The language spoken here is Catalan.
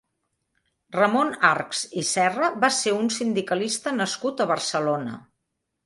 Ramon Archs i Serra va ser un sindicalista nascut a Barcelona.